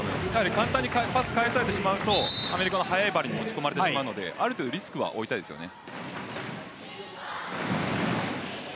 簡単にパスを返されてしまうとアメリカの早いバレーに持ち込まれてしまうのでリスクはある程度を負いたいですよね。